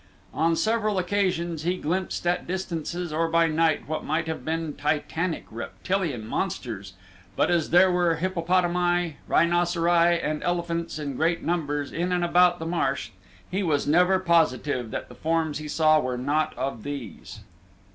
On several occasions he glimpsed at distances or by night what might have been titanic reptilian monsters, but as there were hippopotami, rhinoceri, and elephants in great numbers in and about the marsh he was never positive that the forms he saw were not of these.